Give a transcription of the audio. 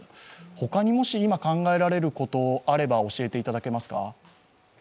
ほかに今考えられることがあれば、教えていただけますか。